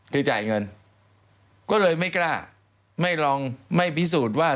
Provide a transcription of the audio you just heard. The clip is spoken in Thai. คือจ่ายเงินก็เลยไม่กล้าไม่ลองไม่พิสูจน์ว่า